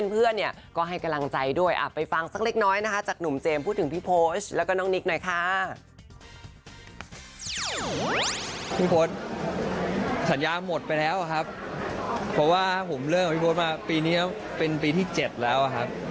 เพราะว่าผมเริ่มผู้นะพี่ปเราตรงนี้เป็นปีที่๗แล้วครับ